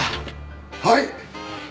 はい！